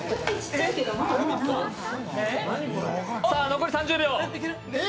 残り３０秒。